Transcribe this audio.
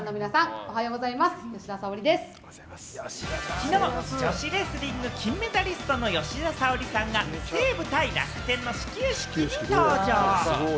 きのう、女子レスリング金メダリストの吉田沙保里さんが西武対楽天の始球式に登場。